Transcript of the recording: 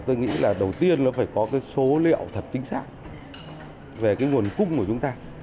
tôi nghĩ là đầu tiên là phải có số liệu thật chính xác về nguồn cung của chúng ta